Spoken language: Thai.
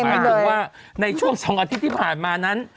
หมายถึงว่าในช่วง๒อาทิตย์ที่ผ่านมานั้น